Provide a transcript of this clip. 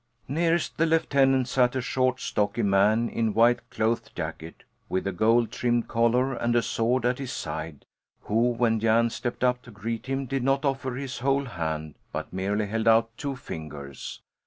Nearest the lieutenant sat a short, stocky man in a white cloth jacket, with a gold trimmed collar, and a sword at his side, who, when Jan stepped up to greet him did not offer his whole hand, but merely held out two fingers.